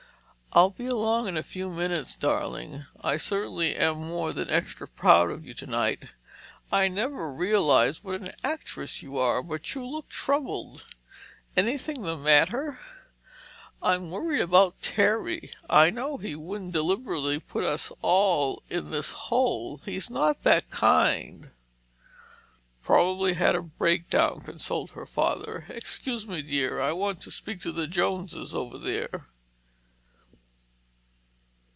"I'll be along in a few minutes, darling. I certainly am more than extra proud of you tonight. I never realized what an actress you are. But you look troubled—anything the matter?" "I'm worried about Terry. I know he wouldn't deliberately put us all in this hole. He's not that kind." "Probably had a break down," consoled her father. "Excuse me, dear, I want to speak to the Joneses over there."